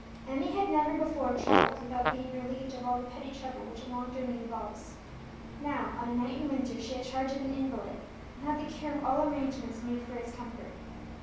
Emmie had never before travelled without being relieved of all the petty trouble which a long journey involves; now, on a night in winter, she had charge of an invalid, and had the care of all arrangements needed for his comfort.